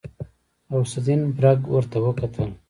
غوث الدين برګ ورته وکتل.